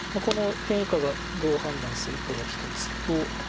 この変化がどう判断するかが一つと。